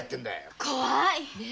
怖い。